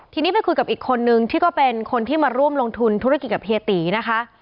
ทีนี้ไปคุยกับอีกคนนึงที่ก็เป็นคนที่มาร่วมลงทุนธุรกิจกับเฮียตีนะคะ